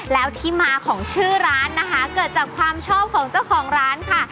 แล้วที่มาของชื่อร้านนะคะเกิดจากความชอบของเจ้าของร้านค่ะ